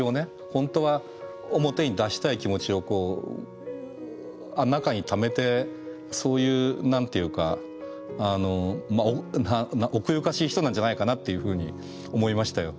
本当は表に出したい気持ちを中にためてそういう何て言うか奥ゆかしい人なんじゃないかなっていうふうに思いましたよ。